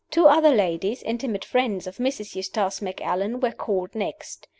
Two other ladies (intimate friends of Mrs. Eustace Macallan) were called next.